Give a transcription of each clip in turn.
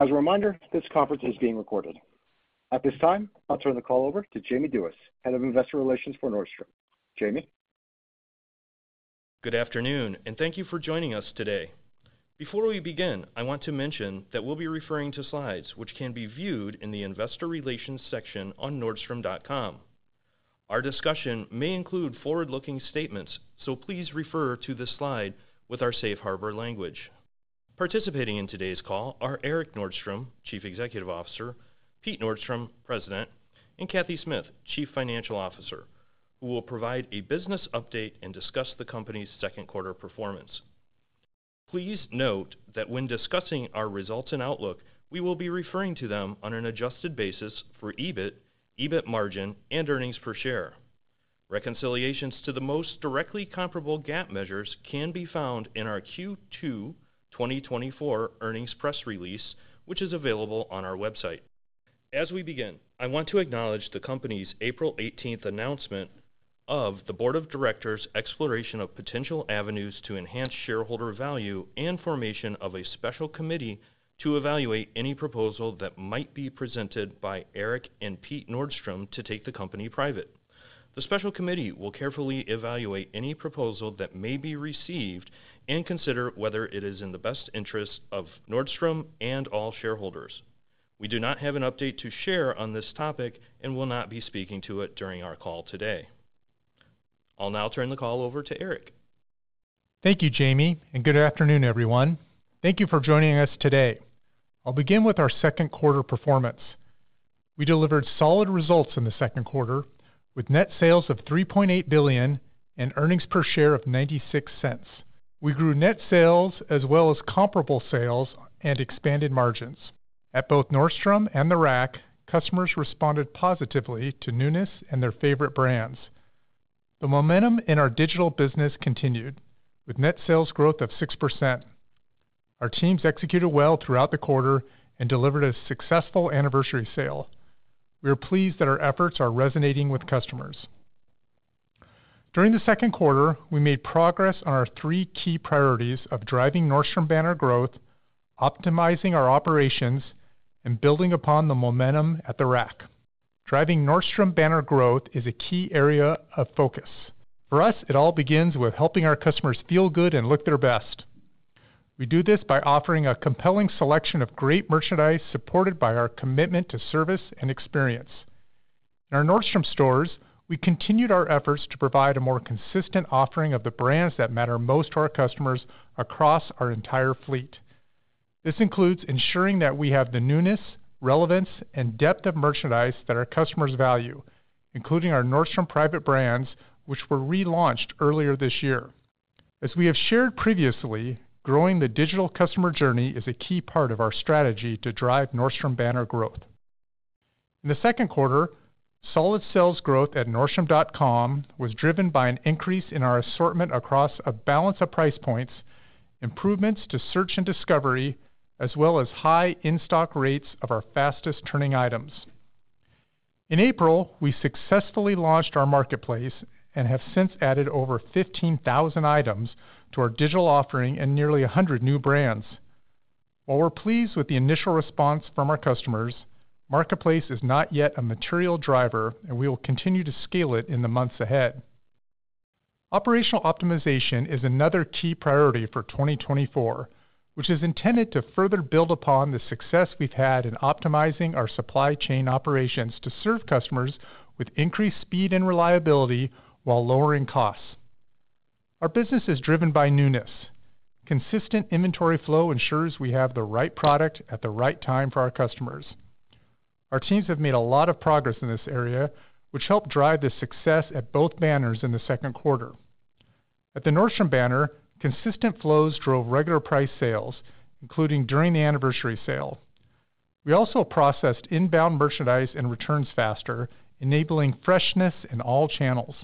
As a reminder, this conference is being recorded. At this time, I'll turn the call over to Jamie Duies, Head of Investor Relations for Nordstrom. Jamie? Good afternoon, and thank you for joining us today. Before we begin, I want to mention that we'll be referring to slides, which can be viewed in the Investor Relations section on nordstrom.com. Our discussion may include forward-looking statements, so please refer to the slide with our safe harbor language. Participating in today's call are Erik Nordstrom, Chief Executive Officer, Pete Nordstrom, President, and Cathy Smith, Chief Financial Officer, who will provide a business update and discuss the company's second quarter performance. Please note that when discussing our results and outlook, we will be referring to them on an adjusted basis for EBIT, EBIT margin, and earnings per share. Reconciliations to the most directly comparable GAAP measures can be found in our Q2 2024 earnings press release, which is available on our website. As we begin, I want to acknowledge the company's April eighteenth announcement of the Board of Directors' exploration of potential avenues to enhance shareholder value and formation of a special committee to evaluate any proposal that might be presented by Erik and Pete Nordstrom to take the company private. The special committee will carefully evaluate any proposal that may be received and consider whether it is in the best interest of Nordstrom and all shareholders. We do not have an update to share on this topic and will not be speaking to it during our call today. I'll now turn the call over to Erik. Thank you, Jamie, and good afternoon, everyone. Thank you for joining us today. I'll begin with our second quarter performance. We delivered solid results in the second quarter with net sales of $3.8 billion and earnings per share of $0.96. We grew net sales as well as comparable sales and expanded margins. At both Nordstrom and the Rack, customers responded positively to newness and their favorite brands. The momentum in our digital business continued, with net sales growth of 6%. Our teams executed well throughout the quarter and delivered a successful Anniversary Sale. We are pleased that our efforts are resonating with customers. During the second quarter, we made progress on our three key priorities of driving Nordstrom banner growth, optimizing our operations, and building upon the momentum at the Rack. Driving Nordstrom banner growth is a key area of focus. For us, it all begins with helping our customers feel good and look their best. We do this by offering a compelling selection of great merchandise, supported by our commitment to service and experience. In our Nordstrom stores, we continued our efforts to provide a more consistent offering of the brands that matter most to our customers across our entire fleet. This includes ensuring that we have the newness, relevance, and depth of merchandise that our customers value, including our Nordstrom private brands, which were relaunched earlier this year. As we have shared previously, growing the digital customer journey is a key part of our strategy to drive Nordstrom banner growth. In the second quarter, solid sales growth at nordstrom.com was driven by an increase in our assortment across a balance of price points, improvements to search and discovery, as well as high in-stock rates of our fastest-turning items. In April, we successfully launched our Marketplace and have since added over 15,000 items to our digital offering and nearly 100 new brands. While we're pleased with the initial response from our customers, Marketplace is not yet a material driver, and we will continue to scale it in the months ahead. Operational optimization is another key priority for 2024, which is intended to further build upon the success we've had in optimizing our supply chain operations to serve customers with increased speed and reliability while lowering costs. Our business is driven by newness. Consistent inventory flow ensures we have the right product at the right time for our customers. Our teams have made a lot of progress in this area, which helped drive the success at both banners in the second quarter. At the Nordstrom banner, consistent flows drove regular price sales, including during the Anniversary Sale. We also processed inbound merchandise and returns faster, enabling freshness in all channels.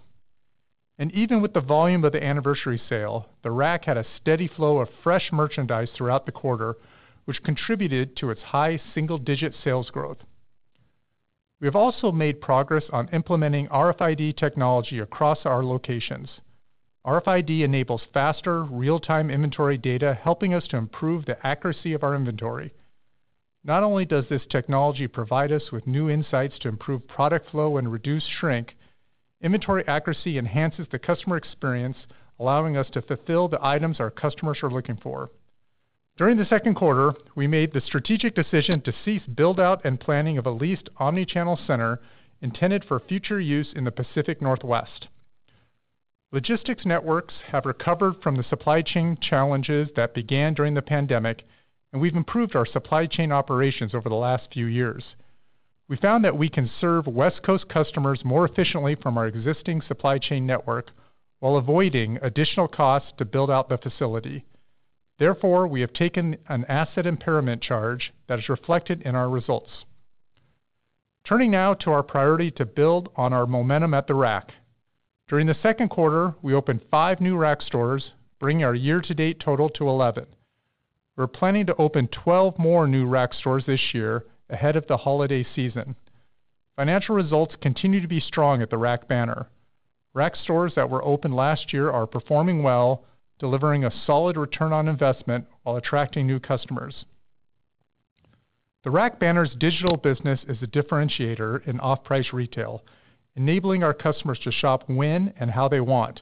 And even with the volume of the Anniversary Sale, the Rack had a steady flow of fresh merchandise throughout the quarter, which contributed to its high single-digit sales growth. We have also made progress on implementing RFID technology across our locations. RFID enables faster, real-time inventory data, helping us to improve the accuracy of our inventory. Not only does this technology provide us with new insights to improve product flow and reduce shrink, inventory accuracy enhances the customer experience, allowing us to fulfill the items our customers are looking for. During the second quarter, we made the strategic decision to cease build-out and planning of a leased omnichannel center intended for future use in the Pacific Northwest. Logistics networks have recovered from the supply chain challenges that began during the pandemic, and we've improved our supply chain operations over the last few years. We found that we can serve West Coast customers more efficiently from our existing supply chain network while avoiding additional costs to build out the facility. Therefore, we have taken an asset impairment charge that is reflected in our results. Turning now to our priority to build on our momentum at the Rack. During the second quarter, we opened five new Rack stores, bringing our year-to-date total to 11. We're planning to open 12 more new Rack stores this year ahead of the holiday season. Financial results continue to be strong at the Rack banner. Rack stores that were opened last year are performing well, delivering a solid return on investment while attracting new customers. The Rack banner's digital business is a differentiator in off-price retail, enabling our customers to shop when and how they want.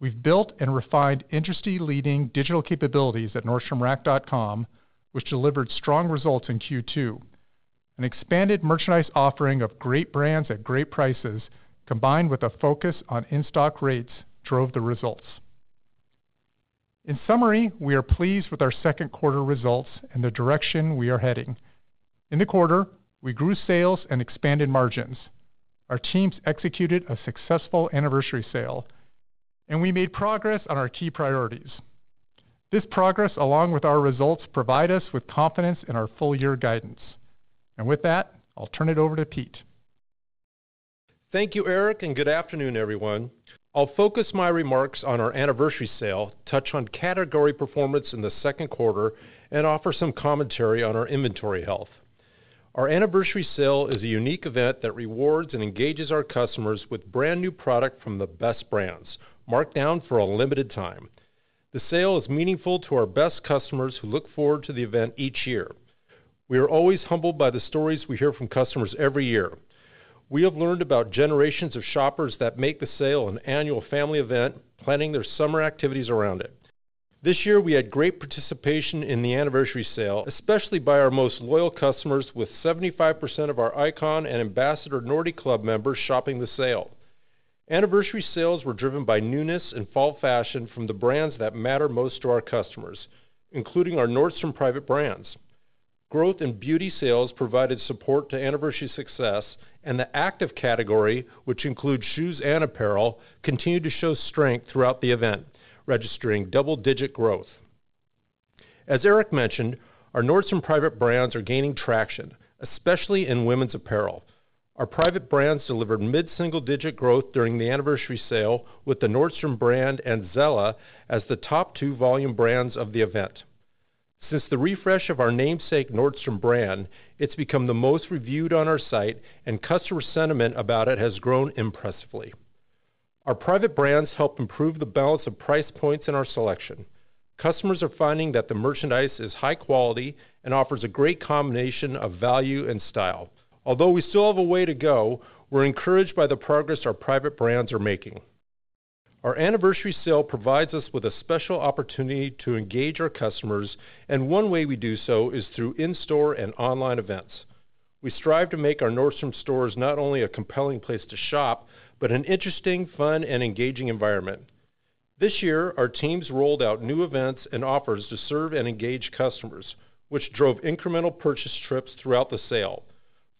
We've built and refined industry-leading digital capabilities at nordstromrack.com, which delivered strong results in Q2. An expanded merchandise offering of great brands at great prices, combined with a focus on in-stock rates, drove the results. In summary, we are pleased with our second quarter results and the direction we are heading. In the quarter, we grew sales and expanded margins. Our teams executed a successful Anniversary Sale, and we made progress on our key priorities. This progress, along with our results, provide us with confidence in our full-year guidance. And with that, I'll turn it over to Pete. Thank you, Erik, and good afternoon, everyone. I'll focus my remarks on our Anniversary Sale, touch on category performance in the second quarter, and offer some commentary on our inventory health. Our Anniversary Sale is a unique event that rewards and engages our customers with brand-new product from the best brands, marked down for a limited time. The sale is meaningful to our best customers, who look forward to the event each year. We are always humbled by the stories we hear from customers every year. We have learned about generations of shoppers that make the sale an annual family event, planning their summer activities around it. This year, we had great participation in the Anniversary Sale, especially by our most loyal customers, with 75% of our Icon and Ambassador Nordy Club members shopping the sale. Anniversary Sale sales were driven by newness and fall fashion from the brands that matter most to our customers, including our Nordstrom private brands. Growth in beauty sales provided support to Anniversary Sale success, and the active category, which includes shoes and apparel, continued to show strength throughout the event, registering double-digit growth. As Erik mentioned, our Nordstrom private brands are gaining traction, especially in women's apparel. Our private brands delivered mid-single-digit growth during the Anniversary Sale, with the Nordstrom brand and Zella as the top two volume brands of the event. Since the refresh of our namesake Nordstrom brand, it's become the most reviewed on our site, and customer sentiment about it has grown impressively. Our private brands help improve the balance of price points in our selection. Customers are finding that the merchandise is high quality and offers a great combination of value and style. Although we still have a way to go, we're encouraged by the progress our private brands are making. Our anniversary sale provides us with a special opportunity to engage our customers, and one way we do so is through in-store and online events. We strive to make our Nordstrom stores not only a compelling place to shop, but an interesting, fun, and engaging environment. This year, our teams rolled out new events and offers to serve and engage customers, which drove incremental purchase trips throughout the sale.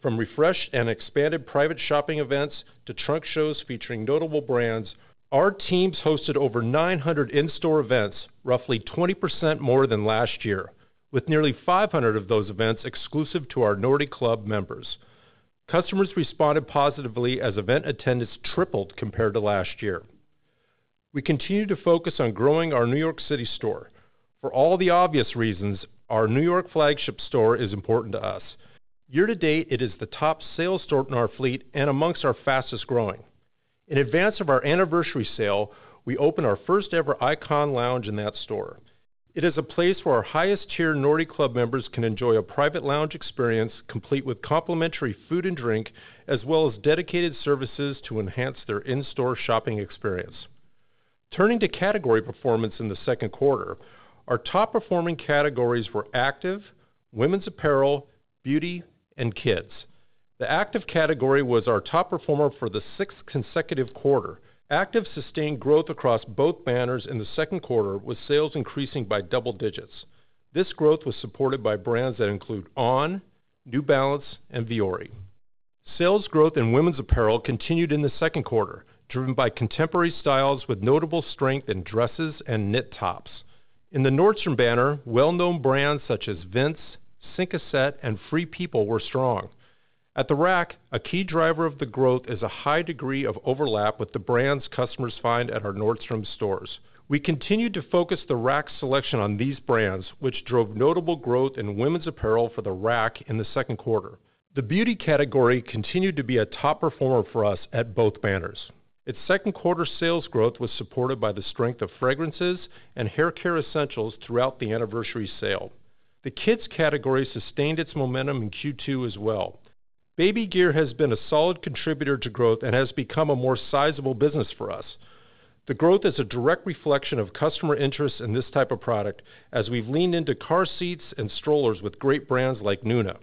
From refreshed and expanded private shopping events to trunk shows featuring notable brands, our teams hosted over nine hundred in-store events, roughly 20% more than last year, with nearly five hundred of those events exclusive to our Nordy Club members. Customers responded positively as event attendance tripled compared to last year. We continue to focus on growing our New York City store. For all the obvious reasons, our New York flagship store is important to us. Year-to-date, it is the top sales store in our fleet and amongst our fastest-growing. In advance of our Anniversary Sale, we opened our first-ever Icon Lounge in that store. It is a place where our highest-tier Nordy Club members can enjoy a private lounge experience, complete with complimentary food and drink, as well as dedicated services to enhance their in-store shopping experience. Turning to category performance in the second quarter, our top-performing categories were active, women's apparel, beauty, and kids. The active category was our top performer for the sixth consecutive quarter. Active sustained growth across both banners in the second quarter, with sales increasing by double digits. This growth was supported by brands that include On, New Balance, and Vuori. Sales growth in women's apparel continued in the second quarter, driven by contemporary styles with notable strength in dresses and knit tops. In the Nordstrom banner, well-known brands such as Vince, Cinq à Sept, and Free People were strong. At the Rack, a key driver of the growth is a high degree of overlap with the brands customers find at our Nordstrom stores. We continued to focus the Rack's selection on these brands, which drove notable growth in women's apparel for the Rack in the second quarter. The beauty category continued to be a top performer for us at both banners. Its second quarter sales growth was supported by the strength of fragrances and hair care essentials throughout the anniversary sale. The kids category sustained its momentum in Q2 as well. Baby gear has been a solid contributor to growth and has become a more sizable business for us. The growth is a direct reflection of customer interest in this type of product, as we've leaned into car seats and strollers with great brands like Nuna.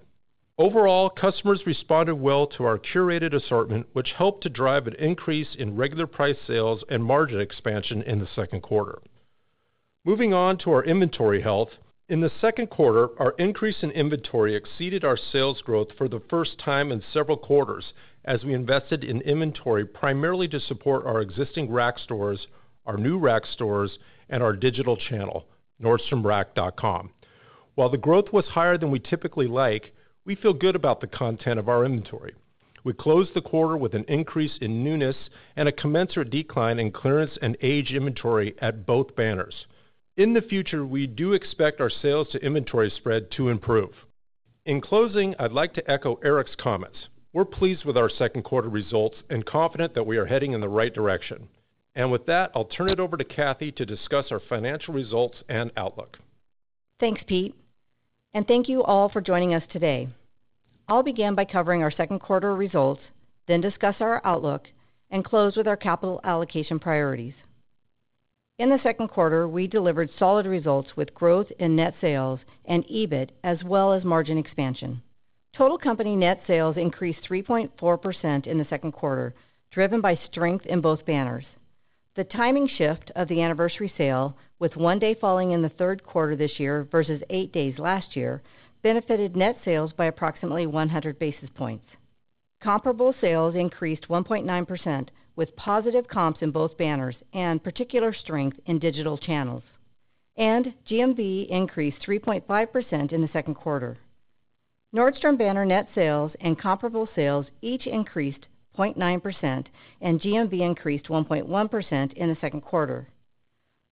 Overall, customers responded well to our curated assortment, which helped to drive an increase in regular price sales and margin expansion in the second quarter. Moving on to our inventory health. In the second quarter, our increase in inventory exceeded our sales growth for the first time in several quarters, as we invested in inventory primarily to support our existing Rack stores, our new Rack stores, and our digital channel, nordstromrack.com. While the growth was higher than we typically like, we feel good about the content of our inventory. We closed the quarter with an increase in newness and a commensurate decline in clearance and aged inventory at both banners. In the future, we do expect our sales to inventory spread to improve. In closing, I'd like to echo Erik's comments. We're pleased with our second quarter results and confident that we are heading in the right direction. And with that, I'll turn it over to Cathy to discuss our financial results and outlook. Thanks, Pete, and thank you all for joining us today. I'll begin by covering our second quarter results, then discuss our outlook, and close with our capital allocation priorities. In the second quarter, we delivered solid results with growth in net sales and EBIT, as well as margin expansion. Total company net sales increased 3.4% in the second quarter, driven by strength in both banners. The timing shift of the anniversary sale, with one day falling in the third quarter this year versus eight days last year, benefited net sales by approximately one hundred basis points. Comparable sales increased 1.9%, with positive comps in both banners and particular strength in digital channels, and GMV increased 3.5% in the second quarter. Nordstrom banner net sales and comparable sales each increased 0.9%, and GMV increased 1.1% in the second quarter.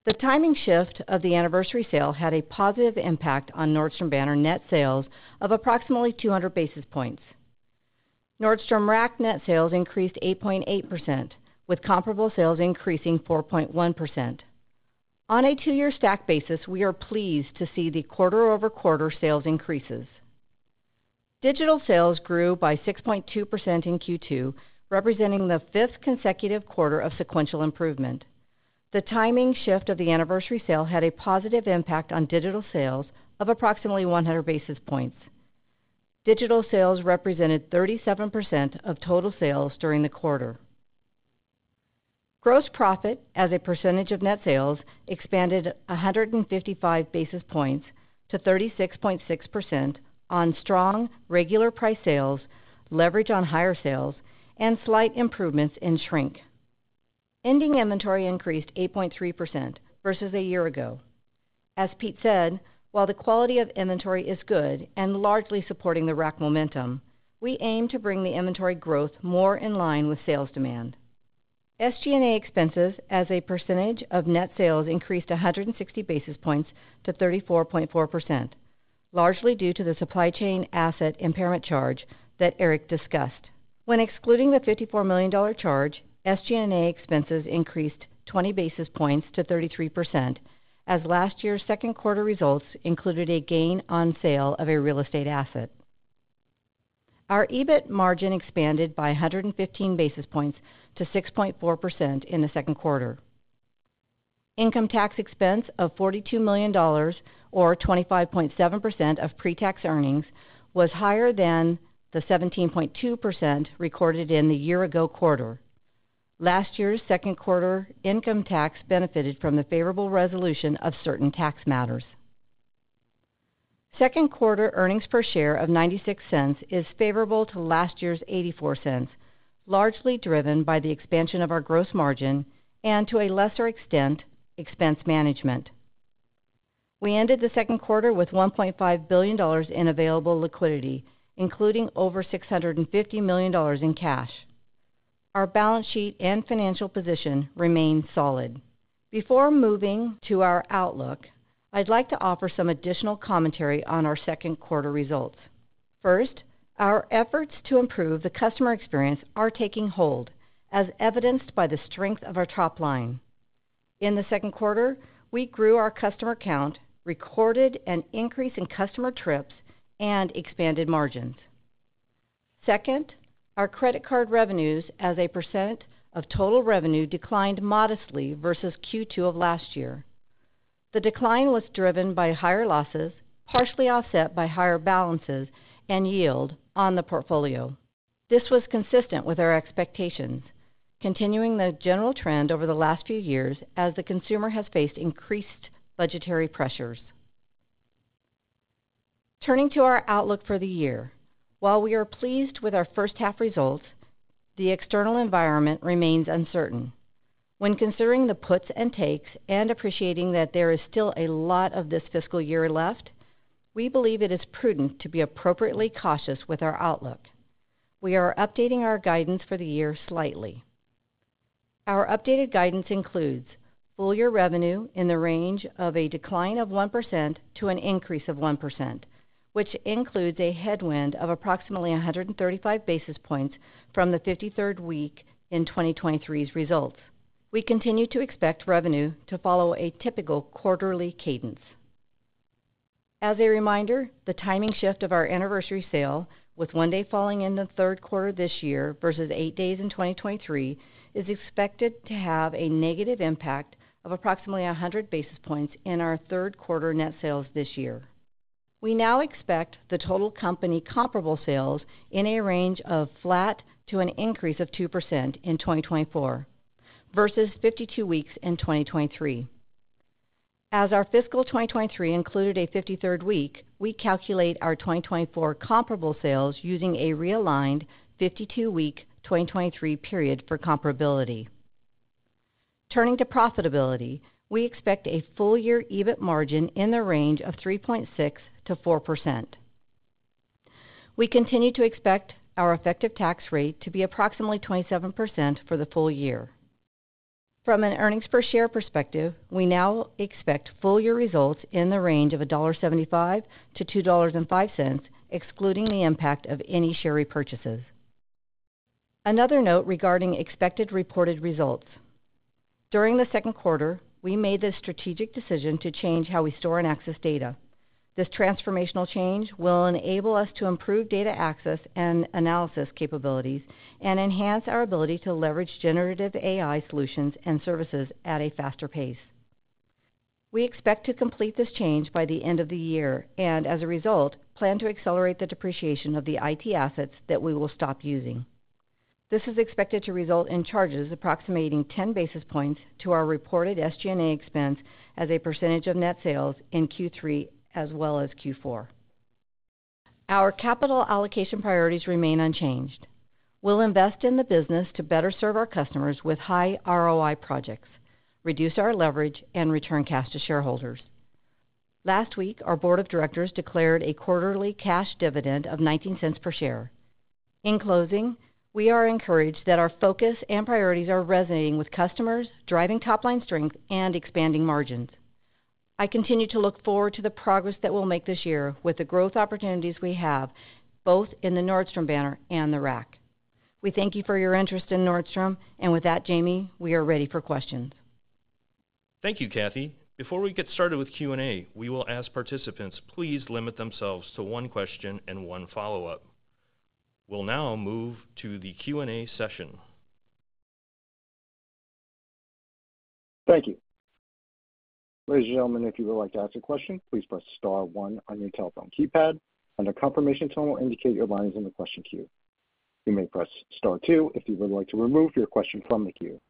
The timing shift of the Anniversary Sale had a positive impact on Nordstrom banner net sales of approximately 200 basis points. Nordstrom Rack net sales increased 8.8%, with comparable sales increasing 4.1%. On a two-year stack basis, we are pleased to see the quarter-over-quarter sales increases. Digital sales grew by 6.2% in Q2, representing the fifth consecutive quarter of sequential improvement. The timing shift of the Anniversary Sale had a positive impact on digital sales of approximately 100 basis points. Digital sales represented 37% of total sales during the quarter. Gross profit, as a percentage of net sales, expanded 155 basis points to 36.6% on strong regular price sales, leverage on higher sales, and slight improvements in shrink. Ending inventory increased 8.3% versus a year ago. As Pete said, while the quality of inventory is good and largely supporting the Rack momentum, we aim to bring the inventory growth more in line with sales demand. SG&A expenses as a percentage of net sales increased 160 basis points to 34.4%, largely due to the supply chain asset impairment charge that Erik discussed. When excluding the $54 million charge, SG&A expenses increased 20 basis points to 33%, as last year's second quarter results included a gain on sale of a real estate asset. Our EBIT margin expanded by 115 basis points to 6.4% in the second quarter. Income tax expense of $42 million, or 25.7% of pre-tax earnings, was higher than the 17.2% recorded in the year-ago quarter. Last year's second quarter income tax benefited from the favorable resolution of certain tax matters. Second quarter earnings per share of $0.96 is favorable to last year's $0.84, largely driven by the expansion of our gross margin and, to a lesser extent, expense management. We ended the second quarter with $1.5 billion in available liquidity, including over $650 million in cash. Our balance sheet and financial position remain solid. Before moving to our outlook, I'd like to offer some additional commentary on our second quarter results. First, our efforts to improve the customer experience are taking hold, as evidenced by the strength of our top line. In the second quarter, we grew our customer count, recorded an increase in customer trips, and expanded margins. Second, our credit card revenues as a % of total revenue declined modestly versus Q2 of last year. The decline was driven by higher losses, partially offset by higher balances and yield on the portfolio. This was consistent with our expectations, continuing the general trend over the last few years as the consumer has faced increased budgetary pressures. Turning to our outlook for the year. While we are pleased with our first half results, the external environment remains uncertain. When considering the puts and takes and appreciating that there is still a lot of this fiscal year left, we believe it is prudent to be appropriately cautious with our outlook. We are updating our guidance for the year slightly. Our updated guidance includes full-year revenue in the range of a decline of 1% to an increase of 1%, which includes a headwind of approximately 135 basis points from the 53rd week in 2023's results. We continue to expect revenue to follow a typical quarterly cadence. As a reminder, the timing shift of our Anniversary Sale, with one day falling in the third quarter this year versus eight days in 2023, is expected to have a negative impact of approximately 100 basis points in our third quarter net sales this year. We now expect the total company comparable sales in a range of flat to an increase of 2% in 2024 versus 52 weeks in 2023. As our fiscal 2023 included a fifty-third week, we calculate our 2024 comparable sales using a realigned fifty-two-week 2023 period for comparability. Turning to profitability, we expect a full-year EBIT margin in the range of 3.6%-4%. We continue to expect our effective tax rate to be approximately 27% for the full year. From an earnings per share perspective, we now expect full year results in the range of $1.75-$2.05, excluding the impact of any share repurchases. Another note regarding expected reported results. During the second quarter, we made the strategic decision to change how we store and access data. This transformational change will enable us to improve data access and analysis capabilities and enhance our ability to leverage generative AI solutions and services at a faster pace. We expect to complete this change by the end of the year, and as a result, plan to accelerate the depreciation of the IT assets that we will stop using. This is expected to result in charges approximating ten basis points to our reported SG&A expense as a percentage of net sales in Q3 as well as Q4. Our capital allocation priorities remain unchanged. We'll invest in the business to better serve our customers with high ROI projects, reduce our leverage, and return cash to shareholders. Last week, our board of directors declared a quarterly cash dividend of $0.19 per share. In closing, we are encouraged that our focus and priorities are resonating with customers, driving top line strength and expanding margins. I continue to look forward to the progress that we'll make this year with the growth opportunities we have, both in the Nordstrom banner and the Rack. We thank you for your interest in Nordstrom, and with that, Jamie, we are ready for questions. Thank you, Cathy. Before we get started with Q&A, we will ask participants, please limit themselves to one question and one follow-up. We'll now move to the Q&A session. Thank you. Ladies and gentlemen, if you would like to ask a question, please press star one on your telephone keypad, and a confirmation tone will indicate your line is in the question queue. You may press star two if you would like to remove your question from the queue.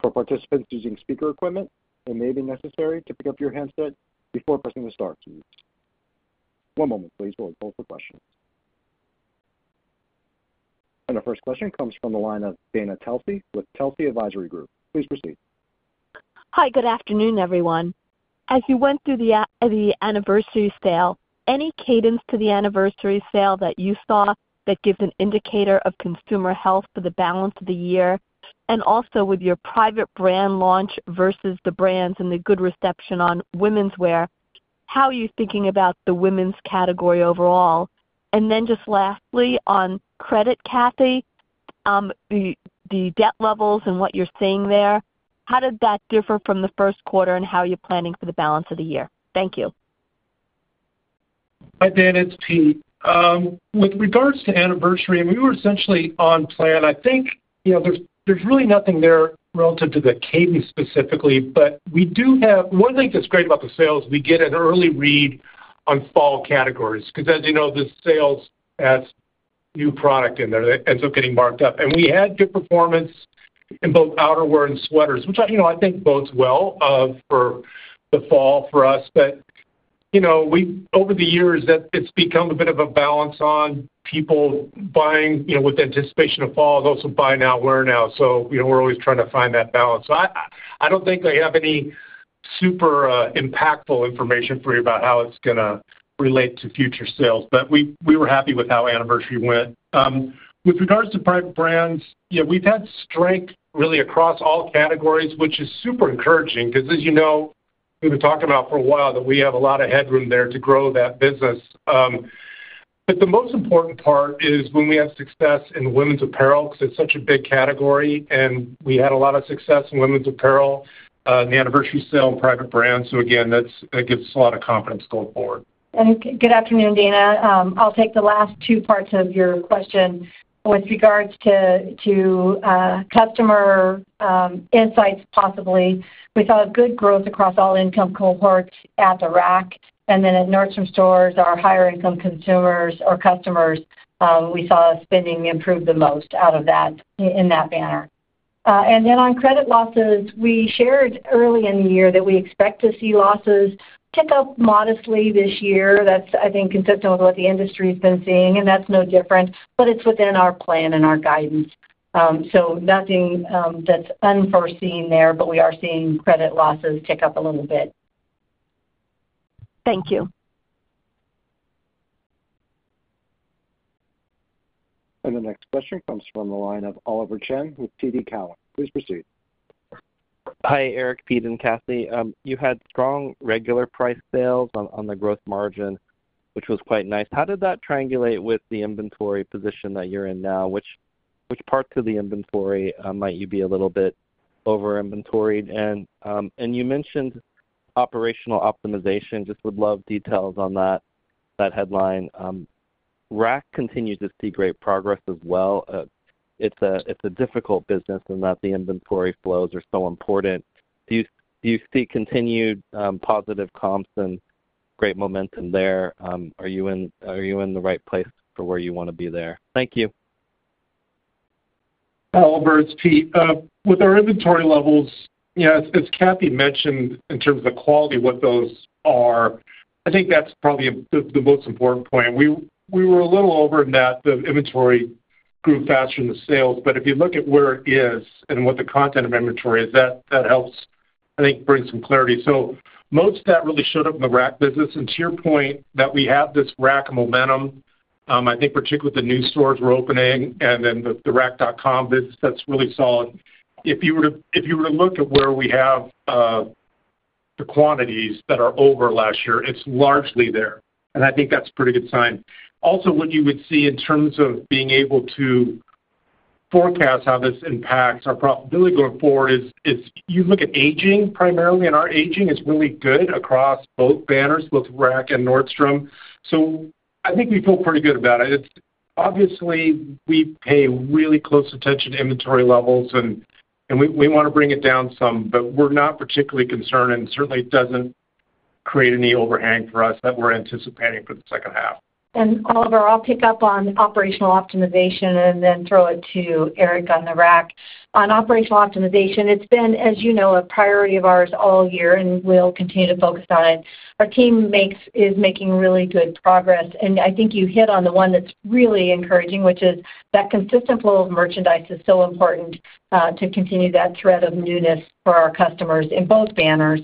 For participants using speaker equipment, it may be necessary to pick up your handset before pressing the star key. One moment, please, while we pull for questions. And our first question comes from the line of Dana Telsey with Telsey Advisory Group. Please proceed. Hi, good afternoon, everyone. As you went through the Anniversary Sale, any cadence to the Anniversary Sale that you saw that gives an indicator of consumer health for the balance of the year? And also with your private brand launch versus the brands and the good reception on women's wear, how are you thinking about the women's category overall? And then just lastly, on credit, Cathy, the debt levels and what you're seeing there, how does that differ from the first quarter and how you're planning for the balance of the year? Thank you. Hi, Dana, it's Pete. With regards to anniversary, we were essentially on plan. I think, you know, there's really nothing there relative to the cadence specifically, but we do have one thing that's great about the sales, we get an early read on fall categories, because, as you know, the sales adds new product in there, ends up getting marked up. And we had good performance in both outerwear and sweaters, which I, you know, I think bodes well for the fall for us. But, you know, we've over the years, that it's become a bit of a balance on people buying, you know, with anticipation of fall, those who buy now, wear now. So you know, we're always trying to find that balance. I don't think I have any super impactful information for you about how it's gonna relate to future sales, but we were happy with how Anniversary went. With regards to private brands, yeah, we've had strength really across all categories, which is super encouraging, because, as you know, we've been talking about for a while that we have a lot of headroom there to grow that business. But the most important part is when we have success in women's apparel, because it's such a big category, and we had a lot of success in women's apparel in the Anniversary Sale and private brand. Again, that's that gives us a lot of confidence going forward. Good afternoon, Dana. I'll take the last two parts of your question. With regards to customer insights, possibly, we saw a good growth across all income cohorts at the Rack. And then at Nordstrom stores, our higher income consumers or customers, we saw spending improve the most out of that in that banner. And then on credit losses, we shared early in the year that we expect to see losses tick up modestly this year. That's, I think, consistent with what the industry has been seeing, and that's no different, but it's within our plan and our guidance. So nothing that's unforeseen there, but we are seeing credit losses tick up a little bit. Thank you. The next question comes from the line of Oliver Chen with TD Cowen. Please proceed. Hi, Erik, Pete, and Cathy. You had strong regular price sales on the gross margin, which was quite nice. How did that triangulate with the inventory position that you're in now? Which parts of the inventory might you be a little bit over inventoried? And you mentioned operational optimization. Just would love details on that headline. Rack continues to see great progress as well. It's a difficult business in that the inventory flows are so important. Do you see continued positive comps and great momentum there? Are you in the right place for where you want to be there? Thank you. Oliver, it's Pete. With our inventory levels, yeah, as Cathy mentioned, in terms of the quality of what those are, I think that's probably the most important point. We were a little over in that the inventory grew faster than the sales. But if you look at where it is and what the content of inventory is, that helps. I think bring some clarity. So most of that really showed up in the Rack business. And to your point that we have this Rack momentum, I think particularly with the new stores we're opening and then the rack.com business, that's really solid. If you were to look at where we have the quantities that are over last year, it's largely there, and I think that's a pretty good sign. Also, what you would see in terms of being able to forecast how this impacts our profitability going forward is you look at aging primarily, and our aging is really good across both banners, both Rack and Nordstrom. So I think we feel pretty good about it. It's obviously we pay really close attention to inventory levels, and we wanna bring it down some, but we're not particularly concerned, and certainly it doesn't create any overhang for us that we're anticipating for the second half. Oliver, I'll pick up on operational optimization and then throw it to Erik on the Rack. On operational optimization, it's been, as you know, a priority of ours all year, and we'll continue to focus on it. Our team is making really good progress, and I think you hit on the one that's really encouraging, which is that consistent flow of merchandise is so important to continue that thread of newness for our customers in both banners.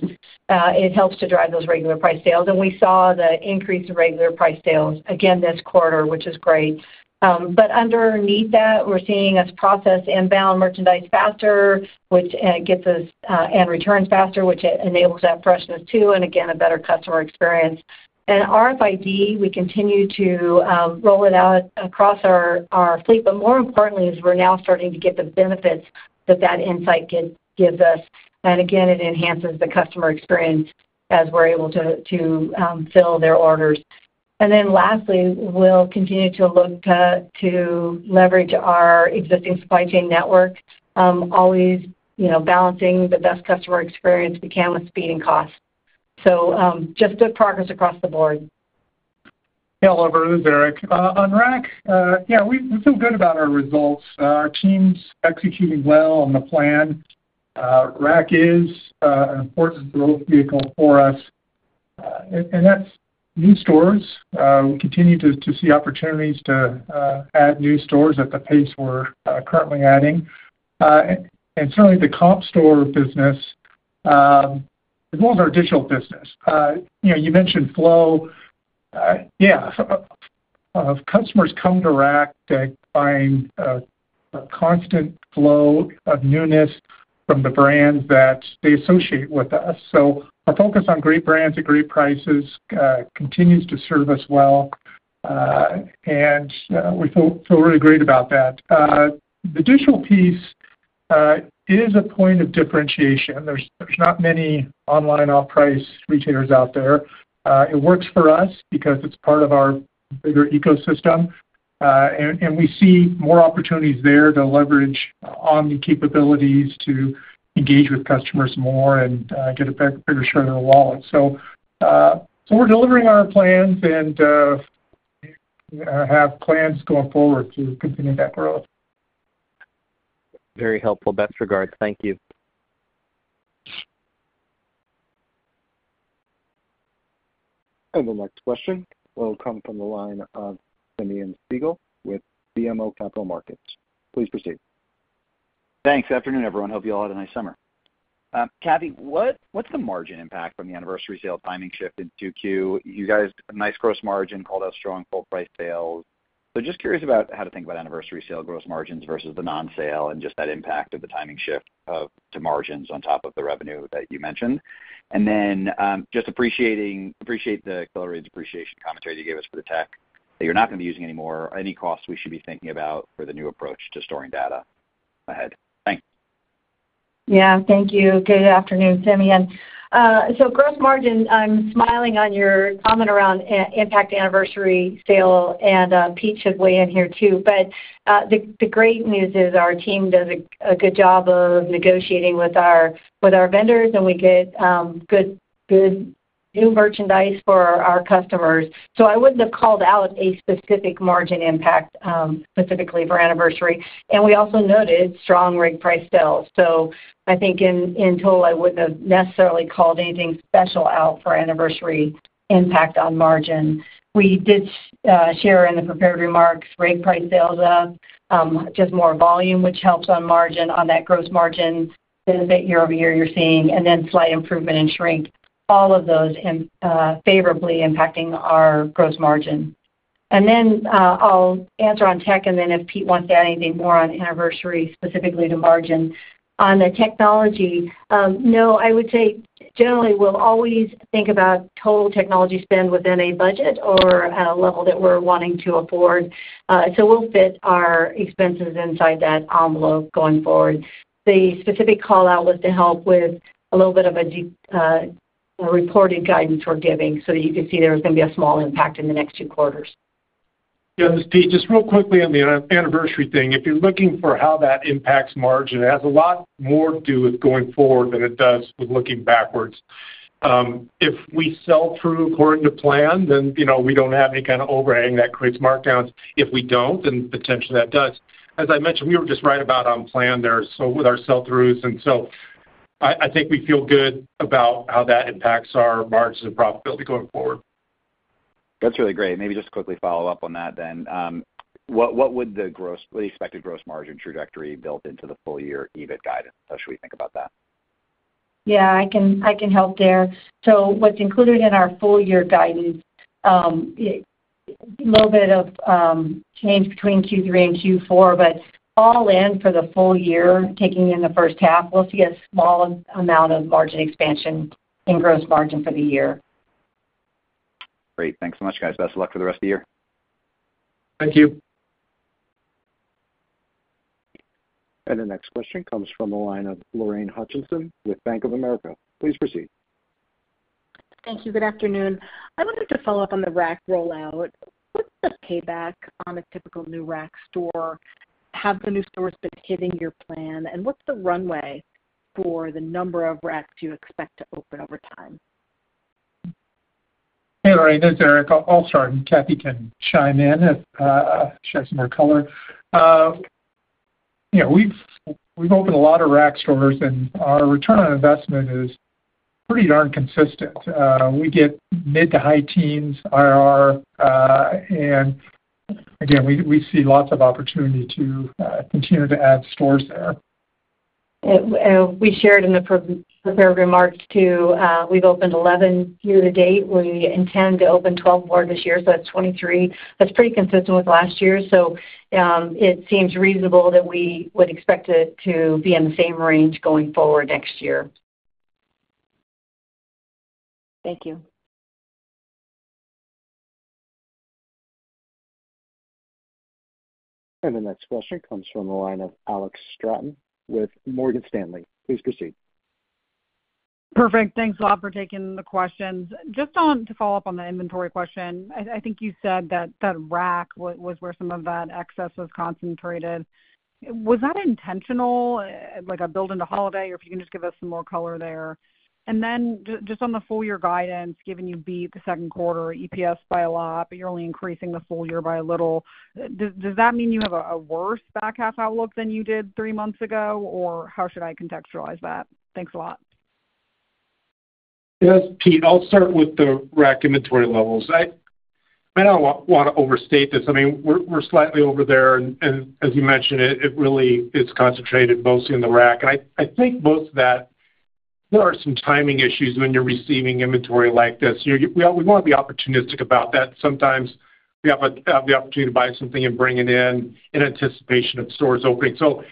It helps to drive those regular price sales, and we saw the increase in regular price sales again this quarter, which is great. But underneath that, we're seeing us process inbound merchandise faster, which gets us and returns faster, which enables that freshness too, and again, a better customer experience. And RFID, we continue to roll it out across our fleet, but more importantly, is we're now starting to get the benefits that insight gives us. And again, it enhances the customer experience as we're able to fill their orders. And then lastly, we'll continue to look to leverage our existing supply chain network, always, you know, balancing the best customer experience we can with speed and cost. So, just good progress across the board. Hey, Oliver, this is Erik. On Rack, yeah, we feel good about our results. Our team's executing well on the plan. Rack is an important growth vehicle for us, and that's new stores. We continue to see opportunities to add new stores at the pace we're currently adding, and certainly the comp store business, as well as our digital business. You know, you mentioned flow. Yeah, customers come to Rack to find a constant flow of newness from the brands that they associate with us. So our focus on great brands at great prices continues to serve us well, and we feel really great about that. The digital piece is a point of differentiation. There's not many online off-price retailers out there. It works for us because it's part of our bigger ecosystem, and we see more opportunities there to leverage omni capabilities to engage with customers more and get a better, bigger share of their wallet. So, we're delivering on our plans and have plans going forward to continue that growth. Very helpful. Best regards. Thank you. The next question will come from the line of Simeon Siegel with BMO Capital Markets. Please proceed. Thanks. Afternoon, everyone. Hope you all had a nice summer. Cathy, what's the margin impact from the anniversary sale timing shift in 2Q? You guys, a nice gross margin, called out strong full price sales. So just curious about how to think about anniversary sale gross margins versus the non-sale and just that impact of the timing shift to margins on top of the revenue that you mentioned. And then, just appreciate the accelerated depreciation commentary you gave us for the tech that you're not gonna be using anymore. Any costs we should be thinking about for the new approach to storing data ahead? Thanks. Yeah. Thank you. Good afternoon, Simeon. So gross margin, I'm smiling on your comment around impact Anniversary Sale, and Pete should weigh in here, too. But the great news is our team does a good job of negotiating with our vendors, and we get good new merchandise for our customers. So I wouldn't have called out a specific margin impact specifically for Anniversary Sale. And we also noted strong full-price sales. So I think in total, I wouldn't have necessarily called anything special out for Anniversary impact on margin. We did share in the prepared remarks, full-price sales up just more volume, which helps on margin on that gross margin, the beat year over year you're seeing, and then slight improvement in shrink. All of those favorably impacting our gross margin. And then, I'll answer on tech, and then if Pete wants to add anything more on anniversary, specifically to margin. On the technology, no, I would say generally, we'll always think about total technology spend within a budget or a level that we're wanting to afford. So we'll fit our expenses inside that envelope going forward. The specific call out was to help with a little bit of a reported guidance we're giving so you can see there's gonna be a small impact in the next two quarters. Yeah, this is Pete. Just real quickly on the anniversary thing. If you're looking for how that impacts margin, it has a lot more to do with going forward than it does with looking backwards. If we sell through according to plan, then, you know, we don't have any kind of overhang that creates markdowns. If we don't, then potentially that does. As I mentioned, we were just right about on plan there, so with our sell-throughs. And so I think we feel good about how that impacts our margins and profitability going forward. That's really great. Maybe just quickly follow up on that then. What would the expected gross margin trajectory built into the full year EBIT guidance? How should we think about that? Yeah, I can help there. So what's included in our full year guidance, a little bit of change between Q3 and Q4, but all in for the full year, taking in the first half, we'll see a small amount of margin expansion in gross margin for the year. Great. Thanks so much, guys. Best of luck for the rest of the year. Thank you. The next question comes from the line of Lorraine Hutchinson with Bank of America. Please proceed. Thank you. Good afternoon. I wanted to follow up on the Rack rollout. What's the payback on a typical new Rack store? Have the new stores been hitting your plan, and what's the runway for the number of Racks you expect to open over time? Hey, Lorraine, this is Erik. I'll start, and Cathy can chime in if she has some more color. Yeah, we've opened a lot of Rack stores, and our return on investment is pretty darn consistent. We get mid to high teens IRR, and again, we see lots of opportunity to continue to add stores there. We shared in the prepared remarks, too. We've opened 11 year to date. We intend to open 12 more this year, so that's 23. That's pretty consistent with last year, so it seems reasonable that we would expect it to be in the same range going forward next year. Thank you. The next question comes from the line of Alex Straton with Morgan Stanley. Please proceed. Perfect. Thanks a lot for taking the questions. Just to follow up on the inventory question, I think you said that Rack was where some of that excess was concentrated. Was that intentional, like a build into holiday, or if you can just give us some more color there? And then just on the full year guidance, given you beat the second quarter EPS by a lot, but you're only increasing the full year by a little, does that mean you have a worse back half outlook than you did three months ago, or how should I contextualize that? Thanks a lot. Yes, this is Pete, I'll start with the Rack inventory levels. I don't wanna overstate this. I mean, we're slightly over there, and as you mentioned, it really is concentrated mostly in the Rack, and I think most of that, there are some timing issues when you're receiving inventory like this. You know, we wanna be opportunistic about that. Sometimes we have the opportunity to buy something and bring it in in anticipation of stores opening, so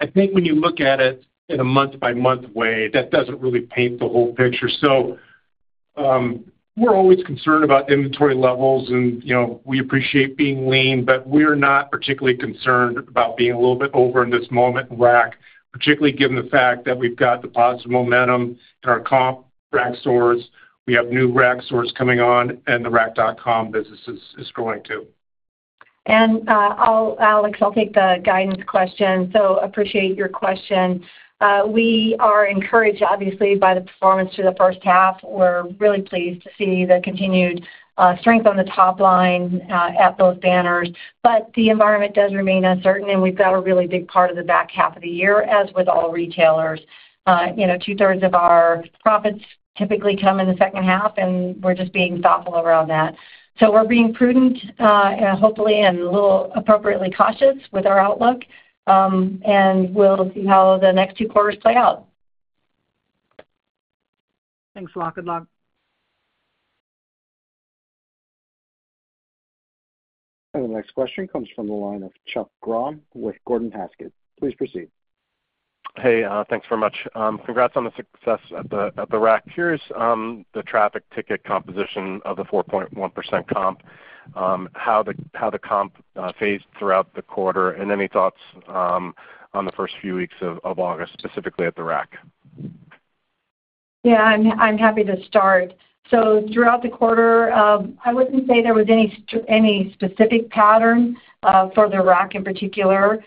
I think when you look at it in a month-by-month way, that doesn't really paint the whole picture. So, we're always concerned about inventory levels, and, you know, we appreciate being lean, but we're not particularly concerned about being a little bit over in this moment in Rack, particularly given the fact that we've got the positive momentum in our comp Rack stores. We have new Rack stores coming on, and the rack.com business is growing, too. Alex, I'll take the guidance question, so appreciate your question. We are encouraged, obviously, by the performance through the first half. We're really pleased to see the continued strength on the top line at those banners. The environment does remain uncertain, and we've got a really big part of the back half of the year, as with all retailers. You know, two-thirds of our profits typically come in the second half, and we're just being thoughtful around that. We're being prudent, hopefully, and a little appropriately cautious with our outlook, and we'll see how the next two quarters play out. Thanks a lot. Good luck. And the next question comes from the line of Chuck Grom with Gordon Haskett. Please proceed. Hey, thanks very much. Congrats on the success at the Rack. Curious, the traffic ticket composition of the 4.1% comp, how the comp phased throughout the quarter, and any thoughts on the first few weeks of August, specifically at the Rack? Yeah, I'm happy to start. So throughout the quarter, I wouldn't say there was any specific pattern for the Rack in particular.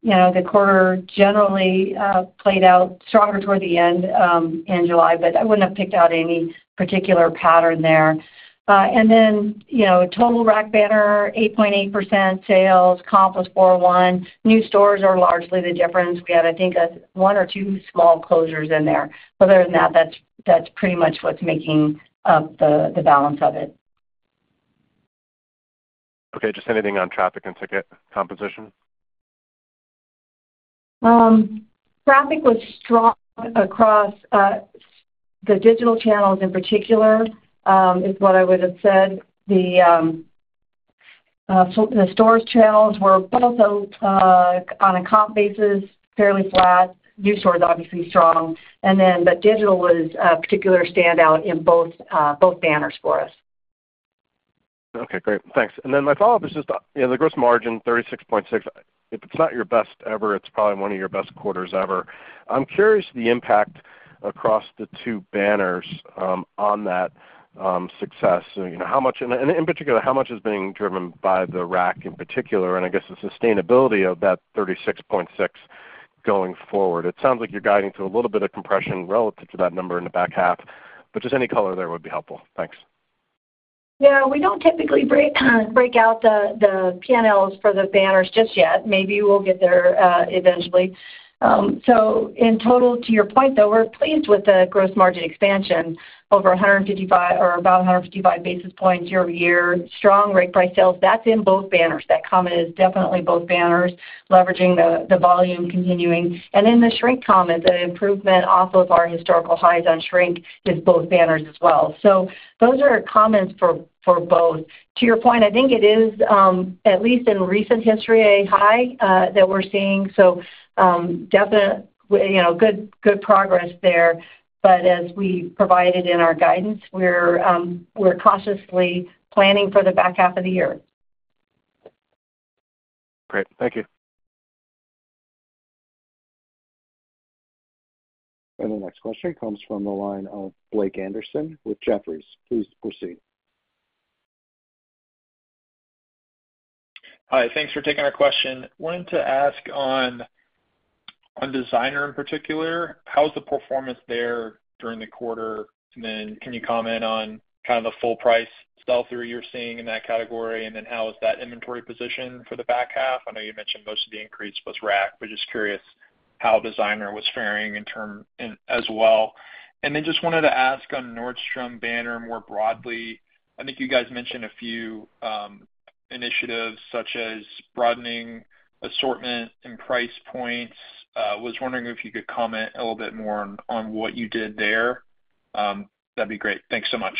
You know, the quarter generally played out stronger toward the end in July, but I wouldn't have picked out any particular pattern there. And then, you know, total Rack banner, 8.8% sales, comp was 4.01. New stores are largely the difference. We had, I think, one or two small closures in there. But other than that, that's pretty much what's making up the balance of it. Okay, just anything on traffic and ticket composition? Traffic was strong across the digital channels in particular, is what I would have said. The so the stores channels were both on a comp basis, fairly flat. New stores obviously strong. And then, but digital was a particular standout in both both banners for us. Okay, great. Thanks. And then my follow-up is just, you know, the gross margin 36.6%, if it's not your best ever, it's probably one of your best quarters ever. I'm curious the impact across the two banners on that success. You know, how much... And in particular, how much is being driven by the Rack in particular, and I guess, the sustainability of that 36.6% going forward. It sounds like you're guiding to a little bit of compression relative to that number in the back half, but just any color there would be helpful. Thanks. Yeah, we don't typically break out the P&Ls for the banners just yet. Maybe we'll get there eventually. So in total, to your point, though, we're pleased with the gross margin expansion over a 155 or about a 155 basis points year over year. Strong regular price sales, that's in both banners. That comment is definitely both banners, leveraging the volume continuing. And then the shrink comment, the improvement off of our historical highs on shrink is both banners as well. So those are comments for both. To your point, I think it is at least in recent history, a high that we're seeing. So definitely, you know, good progress there. But as we provided in our guidance, we're cautiously planning for the back half of the year. Great. Thank you. And the next question comes from the line of Blake Anderson with Jefferies. Please proceed. Hi, thanks for taking our question. Wanted to ask on designer, in particular, how was the performance there during the quarter? And then can you comment on kind of the full price sell-through you're seeing in that category, and then how is that inventory positioned for the back half? I know you mentioned most of the increase was Rack, but just curious how designer was faring in terms as well. And then just wanted to ask on Nordstrom banner more broadly. I think you guys mentioned a few initiatives, such as broadening assortment and price points. Was wondering if you could comment a little bit more on what you did there. That'd be great. Thanks so much.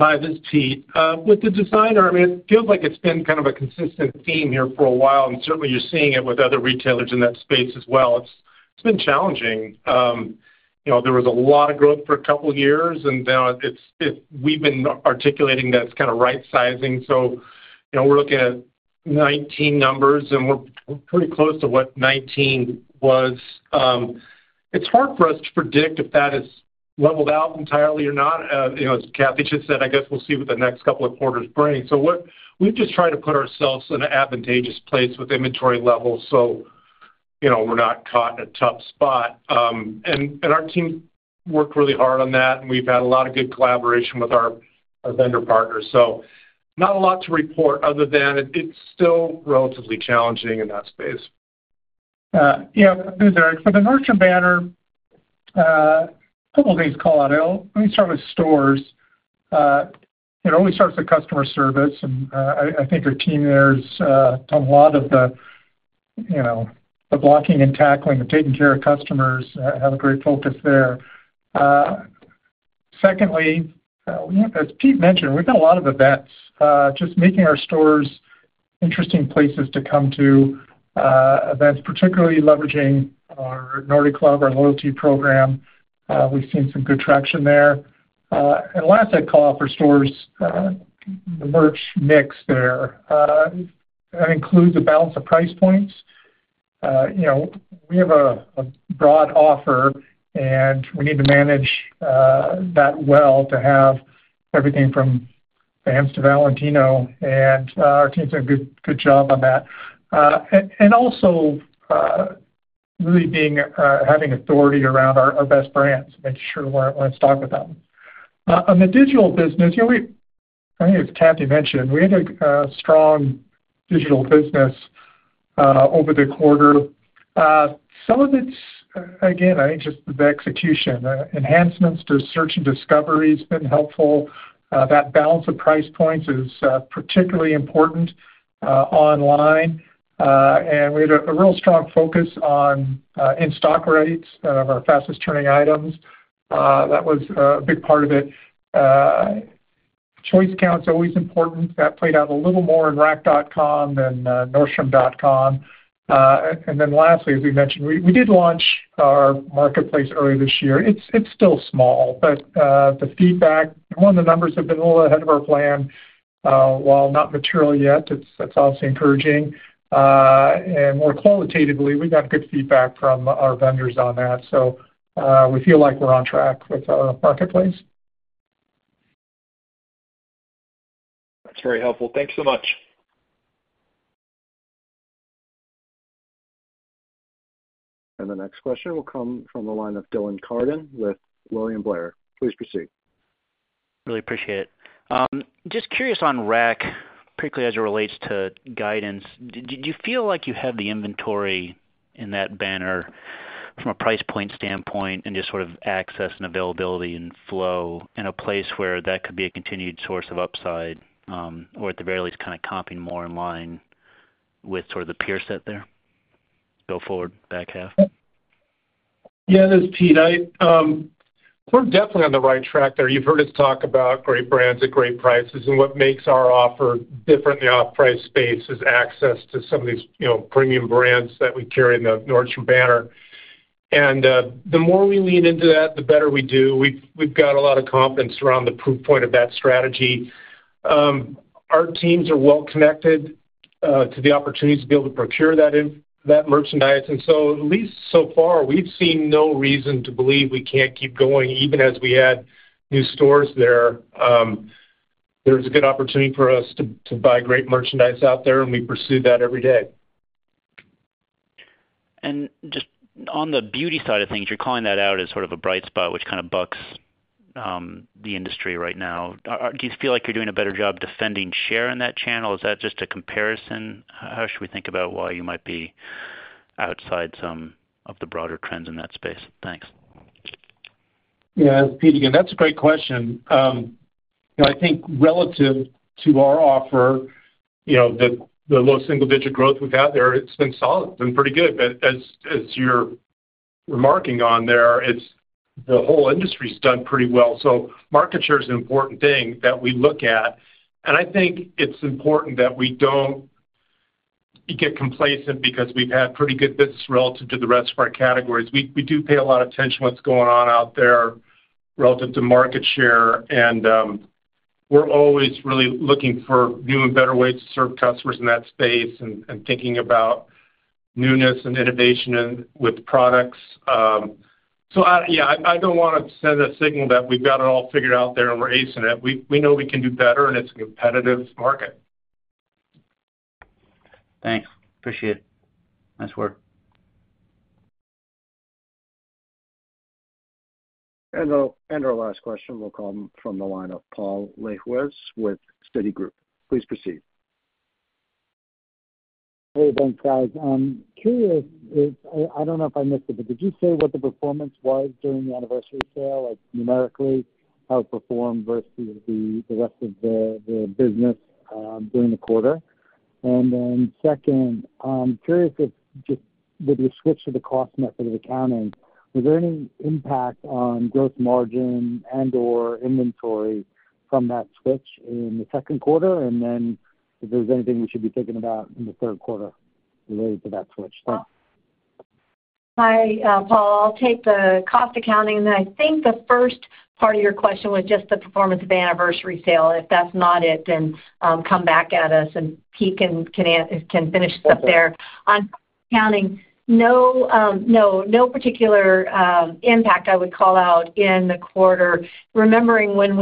Hi, this is Pete. With the designer, I mean, it feels like it's been kind of a consistent theme here for a while, and certainly you're seeing it with other retailers in that space as well. It's been challenging. You know, there was a lot of growth for a couple of years, and now it's. We've been articulating that it's kind of right sizing. So, you know, we're looking at 2019 numbers, and we're pretty close to what 2019 was. It's hard for us to predict if that has leveled out entirely or not. You know, as Cathy just said, I guess we'll see what the next couple of quarters bring. So we've just tried to put ourselves in an advantageous place with inventory levels, so, you know, we're not caught in a tough spot. Our team worked really hard on that, and we've had a lot of good collaboration with our vendor partners. Not a lot to report other than it's still relatively challenging in that space. Yeah, this is Erik. For the Nordstrom banner, a couple of things call out. Let me start with stores. It always starts with customer service, and I think our team there has done a lot of the, you know, the blocking and tackling and taking care of customers, have a great focus there. Secondly, as Pete mentioned, we've got a lot of events, just making our stores interesting places to come to, events, particularly leveraging our Nordy Club, our loyalty program. We've seen some good traction there. And last, I'd call out for stores, the merch mix there. That includes a balance of price points. You know, we have a broad offer, and we need to manage that well to have everything from Vans to Valentino, and our team's done a good job on that. And also really being having authority around our best brands, making sure we're in stock with them. On the digital business, you know, we I think as Cathy mentioned, we had a strong digital business over the quarter. Some of it's, again, I think just the execution. Enhancements to search and discovery has been helpful. That balance of price points is particularly important online. And we had a real strong focus on in-stock rates of our fastest-turning items. That was a big part of it. Choice count is always important. That played out a little more in rack.com than nordstrom.com. And then lastly, as we mentioned, we did launch our marketplace earlier this year. It's still small, but the feedback. One, the numbers have been a little ahead of our plan. While not material yet, it's obviously encouraging. And more qualitatively, we got good feedback from our vendors on that, so we feel like we're on track with our marketplace. That's very helpful. Thanks so much. And the next question will come from the line of Dylan Carden with William Blair. Please proceed. Really appreciate it. Just curious on Rack, particularly as it relates to guidance. Do you feel like you have the inventory in that banner from a price point standpoint and just sort of access and availability and flow in a place where that could be a continued source of upside, or at the very least, kind of comping more in line with sort of the peer set there, go forward, back half? Yeah, this is Pete. I, we're definitely on the right track there. You've heard us talk about great brands at great prices, and what makes our offer different in the off-price space is access to some of these, you know, premium brands that we carry in the Nordstrom banner. And, the more we lean into that, the better we do. We've got a lot of confidence around the proof point of that strategy. Our teams are well connected to the opportunities to be able to procure that merchandise. And so at least so far, we've seen no reason to believe we can't keep going, even as we add new stores there. There's a good opportunity for us to buy great merchandise out there, and we pursue that every day. And just on the beauty side of things, you're calling that out as sort of a bright spot, which kind of bucks the industry right now. Do you feel like you're doing a better job defending share in that channel, or is that just a comparison? How should we think about why you might be outside some of the broader trends in that space? Thanks. Yeah, Pete, again, that's a great question. You know, I think relative to our offer, you know, the, the low single-digit growth we've had there, it's been solid, been pretty good. But as, as you're remarking on there, it's the whole industry's done pretty well. So market share is an important thing that we look at. And I think it's important that we don't get complacent because we've had pretty good business relative to the rest of our categories. We, we do pay a lot of attention to what's going on out there relative to market share, and, we're always really looking for new and better ways to serve customers in that space and, and thinking about newness and innovation and with products. So I, yeah, I, I don't want to send a signal that we've got it all figured out there, and we're acing it. We know we can do better, and it's a competitive market. Thanks. Appreciate it. Nice work. And our last question will come from the line of Paul Lejuez with Citigroup. Please proceed. Hey, thanks, guys. I'm curious if I don't know if I missed it, but did you say what the performance was during the Anniversary Sale, like numerically, how it performed versus the rest of the business during the quarter? And then second, I'm curious if just with the switch to the cost method of accounting, was there any impact on gross margin and/or inventory from that switch in the second quarter? And then if there's anything we should be thinking about in the third quarter related to that switch? Thanks. Hi, Paul. I'll take the cost accounting. And I think the first part of your question was just the performance of Anniversary Sale. If that's not it, then come back at us, and Pete can finish up there. On accounting, no particular impact I would call out in the quarter. Remembering when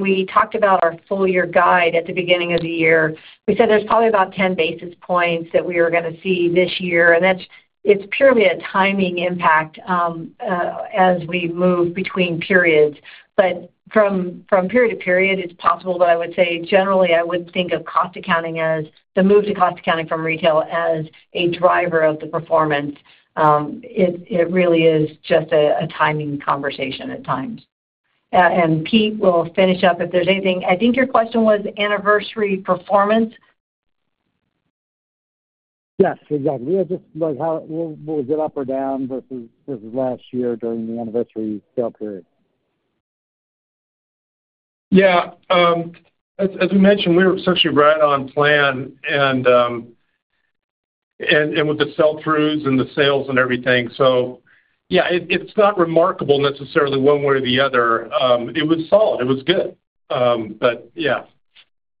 we talked about our full year guide at the beginning of the year, we said there's probably about 10 basis points that we are gonna see this year, and that's it's purely a timing impact as we move between periods. But from period to period, it's possible, but I would say generally, I wouldn't think of cost accounting as the move to cost accounting from retail as a driver of the performance. It really is just a timing conversation at times. And Pete will finish up if there's anything. I think your question was Anniversary performance. Yes, exactly. We just like how was it up or down versus last year during the Anniversary Sale period? Yeah. As we mentioned, we were essentially right on plan, and with the sell-throughs and the sales and everything, so yeah, it's not remarkable necessarily one way or the other. It was solid. It was good, but yeah,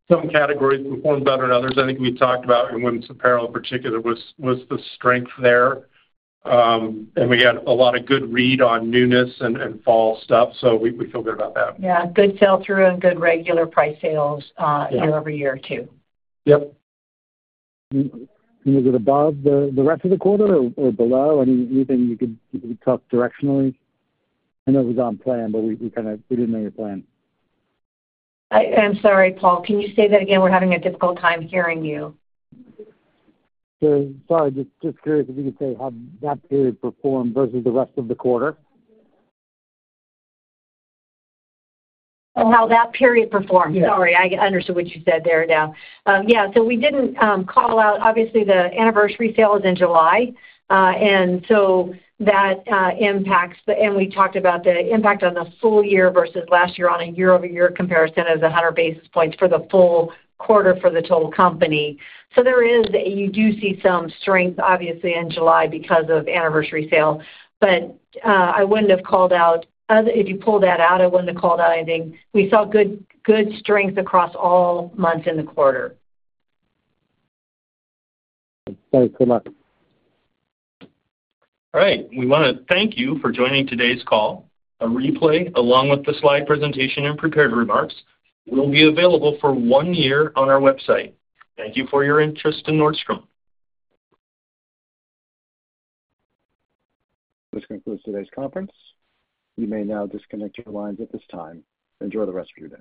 some categories performed better than others. I think we talked about, in women's apparel in particular, was the strength there, and we had a lot of good read on newness and fall stuff, so we feel good about that. Yeah, good sell-through and good regular price sales. Yeah year over year, too. Yep. Was it above the rest of the quarter or below? I mean, anything you could talk directionally? I know it was on plan, but we kinda didn't know your plan. I'm sorry, Paul, can you say that again? We're having a difficult time hearing you. Sure. Sorry, just curious if you could say how that period performed versus the rest of the quarter? On how that period performed? Yeah. Sorry, I understood what you said there now. Yeah, so we didn't call out. Obviously, the Anniversary Sale is in July, and so that impacts. And we talked about the impact on the full year versus last year on a year-over-year comparison as a hundred basis points for the full quarter for the total company. So there is, you do see some strength, obviously, in July because of Anniversary Sale. But, I wouldn't have called out if you pull that out, I wouldn't have called out anything. We saw good, good strength across all months in the quarter. Thanks so much. All right. We want to thank you for joining today's call. A replay, along with the slide presentation and prepared remarks, will be available for one year on our website. Thank you for your interest in Nordstrom. This concludes today's conference. You may now disconnect your lines at this time. Enjoy the rest of your day.